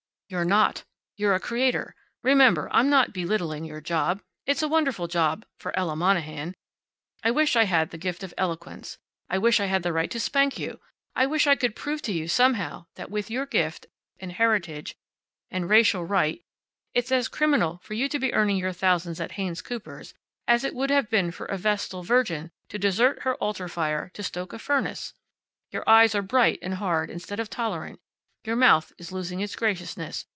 "You're not. You're a creator. Remember, I'm not belittling your job. It's a wonderful job for Ella Monahan. I wish I had the gift of eloquence. I wish I had the right to spank you. I wish I could prove to you, somehow, that with your gift, and heritage, and racial right it's as criminal for you to be earning your thousands at Haynes Cooper's as it would have been for a vestal virgin to desert her altar fire to stoke a furnace. Your eyes are bright and hard, instead of tolerant. Your mouth is losing its graciousness.